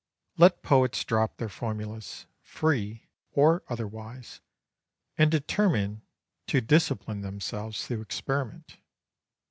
Let poets drop their formulas "free" or otherwise and determine to discipline themselves through experiment.